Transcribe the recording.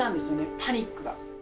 パニックが。